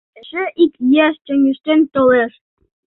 Эше ик еш чоҥештен толеш.